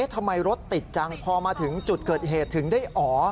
ทำไมรถติดจังพอมาถึงจุดเกิดเหตุถึงได้อ๋อ